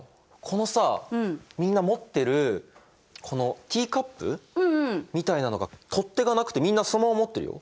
このさみんな持ってるこのティーカップみたいなのが取っ手がなくてみんなそのまま持ってるよ。